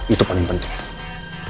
itu paling penting